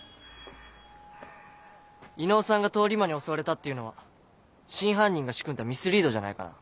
伊能さんが通り魔に襲われたっていうのは真犯人が仕組んだミスリードじゃないかな。